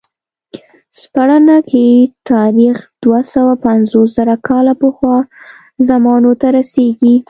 څېړنه کې تاریخ دوه سوه پنځوس زره کاله پخوا زمانو ته رسېږي.